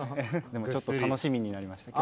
でもちょっと楽しみになりました。